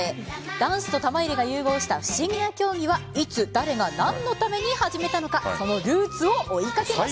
ダンスと玉入れが融合した不思議な競技はいつ誰が何のために始めたのかそのルーツを追いかけました。